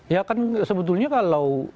ya kan sebetulnya kalau